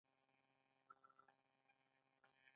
یو پانګوال غواړي چې اضافي ارزښت پانګه کړي